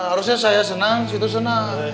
harusnya saya senang situ senang